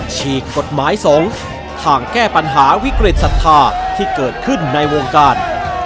ฉีกกฎหมายสงฆ์ทางแก้ปัญหาวิกฤตศรัทธาที่เกิดขึ้นในวงการ